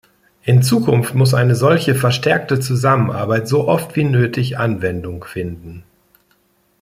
In Zukunft muss eine solche Verstärkte Zusammenarbeit so oft wie nötig Anwendung finden.